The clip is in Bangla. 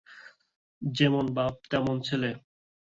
যেমন বাপ, তেমন ছেলে।